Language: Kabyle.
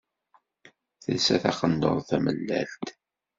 Telsa taqendurt tamellalt.